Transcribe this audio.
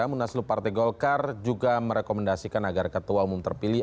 munaslu partai golkar juga merekomendasikan agar ketua umum terpilih